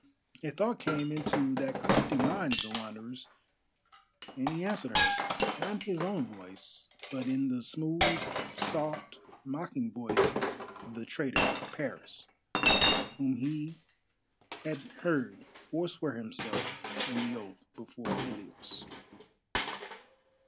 A thought came into that crafty mind of the Wanderer's, and he answered her, not in his own voice, but in the smooth, soft, mocking voice of the traitor, Paris, whom he had heard forswear himself in the oath before Ilios.